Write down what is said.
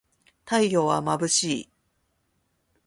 太陽はまぶしい